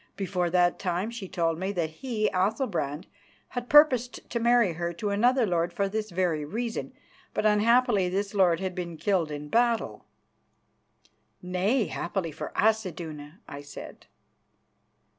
Before that time, she told me that he, Athalbrand, had purposed to marry her to another lord for this very reason, but unhappily this lord had been killed in battle. "Nay, happily for us, Iduna," I said.